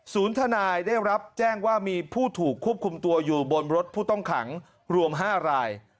ทนายได้รับแจ้งว่ามีผู้ถูกควบคุมตัวอยู่บนรถผู้ต้องขังรวม๕ราย